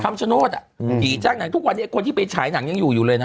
คำชโนธอ่ะผีจ้างหนังทุกวันนี้ไอ้คนที่ไปฉายหนังยังอยู่อยู่เลยนะ